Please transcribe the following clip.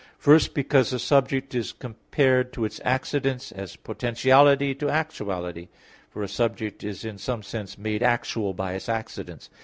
First, because a subject is compared to its accidents as potentiality to actuality; for a subject is in some sense made actual by its accidents.